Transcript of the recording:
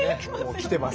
来てます